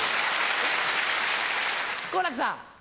好楽さん。